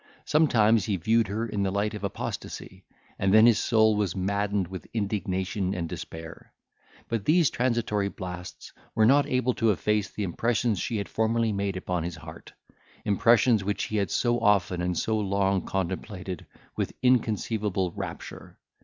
Sometimes he viewed her in the light of apostasy, and then his soul was maddened with indignation and despair. But these transitory blasts were not able to efface the impressions she had formerly made upon his heart; impressions which he had so often and so long contemplated with inconceivable rapture.